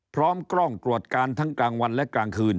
พร้อมกล้องตรวจการทั้งกลางวันและกลางคืน